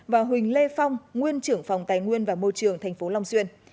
và huỳnh lê phong nguyên trưởng phòng tài nguyên và môi trường tp long xuyên